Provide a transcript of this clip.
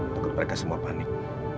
takut mereka semua panik